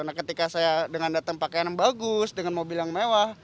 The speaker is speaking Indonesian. nah ketika saya dengan datang pakaian yang bagus dengan mobil yang mewah